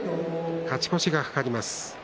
勝ち越しが懸かります。